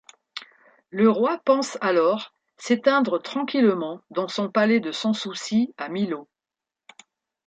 Le roi pense alors s'éteindre tranquillement dans son palais de Sans-Souci à Milot.